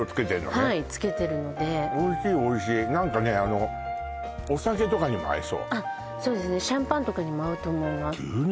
はいつけてるのでおいしいおいしい何かねあのそうですねシャンパンとかにも合うと思います